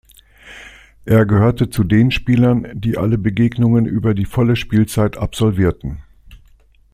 Er gehörte zu den Spielern, die alle Begegnungen über die volle Spielzeit absolvierten.